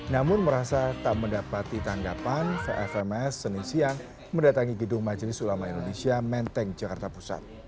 namun merasa tak mendapati tanggapan vfms senin siang mendatangi gedung majelis ulama indonesia menteng jakarta pusat